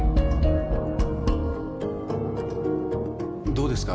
どうですか？